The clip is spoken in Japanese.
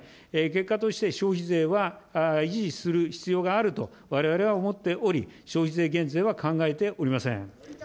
結果として、消費税は維持する必要があると、われわれは思っており、消費税減税は考えておりません。